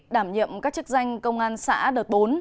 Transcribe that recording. đảm nhiệm các chức danh công an xã đợt bốn